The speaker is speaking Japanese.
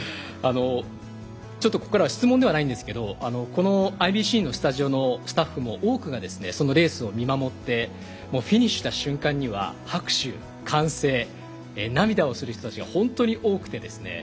ちょっとここからは質問ではないんですけどこのＩＢＣのスタジオのスタッフの多くがレースを見守ってフィニッシュした瞬間は拍手歓声、涙をする人たちが本当に多くてですね